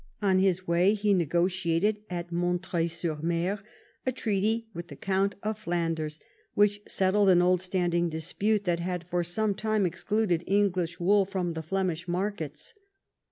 On his way he negotiated at Montreuil sur Mer a treaty with the Count of Flanders, Avhich settled an old standing dispute that had for some time excluded English wool from the Flemish markets.